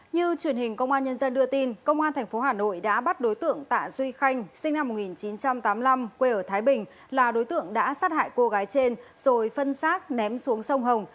như truyền hình công an nhân dân đưa tin công an tp hà nội đã bắt đối tượng tạ duy khanh sinh năm một nghìn chín trăm tám mươi năm quê ở thái bình là đối tượng đã sát hại cô gái trên rồi phân xác ném xuống sông hồng